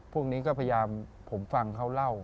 พวกนี้ก็พยายามผมฟังเขาเล่า